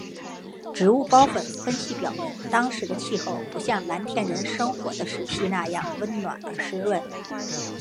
植物孢粉分析表明当时的气候不像蓝田人生活的时期那样温暖而湿润。